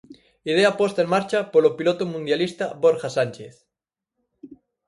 Idea posta en marcha polo piloto mundialista Borja Sánchez.